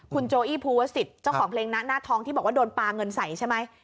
คุณโจอี้ภูวสิทธิ์เจ้าของเพลงนะหน้าทองที่บอกว่าโดนปลาเงินใส่ใช่ไหม